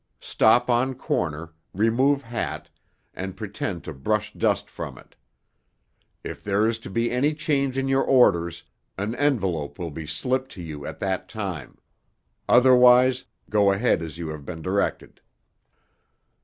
Stop on corner, remove hat, and pretend to brush dust from it. If there is to be any change in your orders, an envelope will be slipped to you at that time; otherwise, go ahead as you have been directed.